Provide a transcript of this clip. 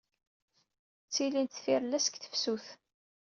Ttilint tfirellas deg tefsut.